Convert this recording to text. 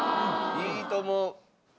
いいと思う。